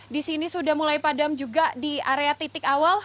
di sini sudah mulai padam juga di area titik awal